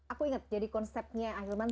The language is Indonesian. aku inget jadi konsepnya ahilman